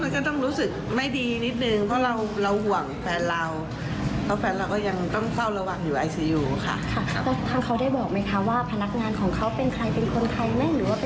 ท่านเขาได้บอกไหมคะว่าพนักงานของเขาเป็นใครเป็นคนใครไหม